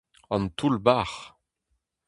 An toull-bac'h !